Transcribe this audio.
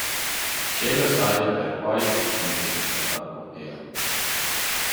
Ch’ella saja perquai gnüda in contact cul teater.